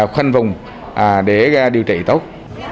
khoanh vùng để điều trị tốt